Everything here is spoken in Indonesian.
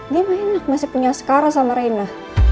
dia enak masih punya sekarang sama reina